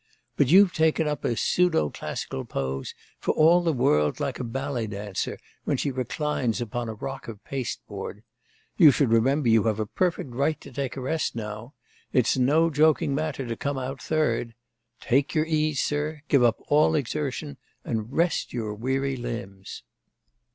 But you've taken up a pseudo classical pose, for all the world like a ballet dancer, when she reclines upon a rock of paste board. You should remember you have a perfect right to take a rest now. It's no joking matter to come out third! Take your ease, sir; give up all exertion, and rest your weary limbs!